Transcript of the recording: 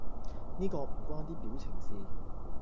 呢個唔關啲表情事